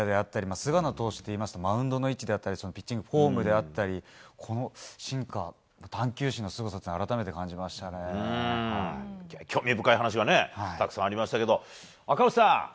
菅野投手というとマウンドの位置であったりピッチングフォームであったりこのシンカー、探求心のすごさを興味深い話がたくさんありましたが、赤星さん